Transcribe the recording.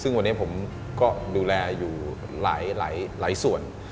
ซึ่งวันนี้ผมก็ดูแลอยู่หลายส่วน